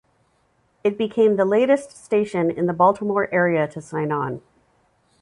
It became the latest station in the Baltimore area to sign on.